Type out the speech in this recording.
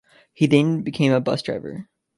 He then became a bus driver.